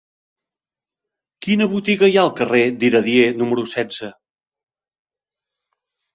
Quina botiga hi ha al carrer d'Iradier número setze?